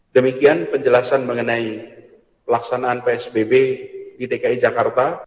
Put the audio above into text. demikian penjelasan mengenai pelaksanaan psbb di dki jakarta